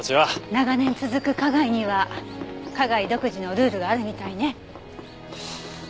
長年続く花街には花街独自のルールがあるみたいね。